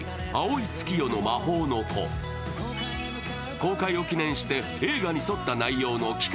公開を記念して映画に沿った内容の期間